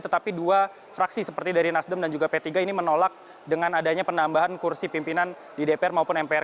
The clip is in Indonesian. tetapi dua fraksi seperti dari nasdem dan juga p tiga ini menolak dengan adanya penambahan kursi pimpinan di dpr maupun mpr